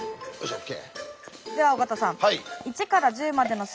ＯＫ。